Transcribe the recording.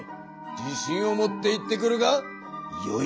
自しんを持って行ってくるがよい！